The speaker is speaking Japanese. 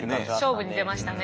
勝負に出ましたね